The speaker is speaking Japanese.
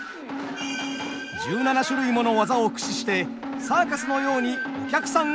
１７種類もの技を駆使してサーカスのようにお客さんを楽しませます。